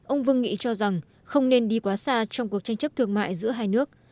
ông vương nghị cho rằng không nên đi quá xa trong cuộc tranh chấp thương mại giữa hai nước